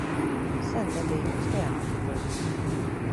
Sen nebija uz teātri būts.